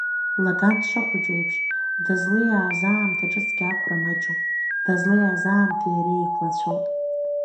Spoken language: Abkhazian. Лаган дышхәыҷу еиԥш, дызлиааз аамҭа ҿыцгьы ақәра маҷуп, дызлиааз аамҭеи иареи еиқәлацәоуп.